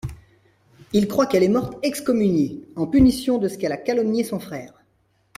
Il croit qu'elle est morte «excommuniée», en punition de ce qu'elle a calomnié son frère.